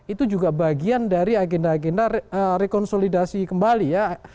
itu juga bagian dari agenda agenda rekonsolidasi kembali ya